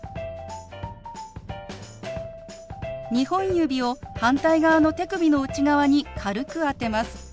２本指を反対側の手首の内側に軽く当てます。